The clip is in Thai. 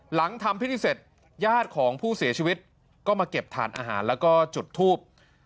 หลังทำพิธีเสร็จญาติของผู้เสียชีวิตก็มาเก็บถ่านอาหารแล้วก็จุดทูบ